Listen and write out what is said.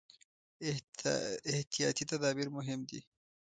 احتیاطي تدابیر مهم دي.